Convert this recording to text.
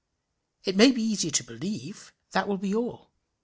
It may be easier to believe that will be all.